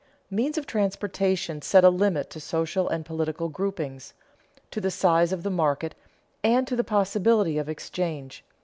Means of transportation set a limit to social and political groupings, to the size of the market, and to the possibility of exchange.